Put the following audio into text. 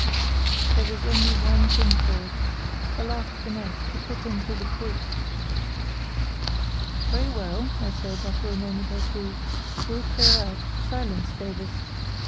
There was only one thing for it—a last finesse, to put him to the proof. "Very well," I said, after a moment or two, "we'll clear out—silence, Davies!